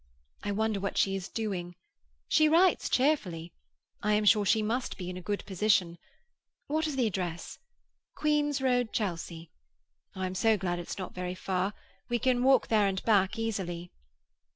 I wonder what she is doing? She writes cheerfully; I am sure she must be in a good position. What is the address? Queen's Road, Chelsea. Oh, I'm so glad it's not very far. We can walk there and back easily."